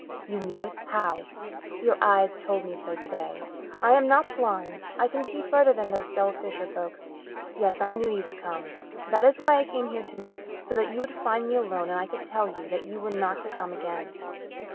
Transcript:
"You knew it? How?" "Your eyes told me so today. I am not blind I can see further than those dull fisher folks. Yes, I knew you would come. That is why I came here tonight so that you would find me alone and I could tell you that you were not to come again."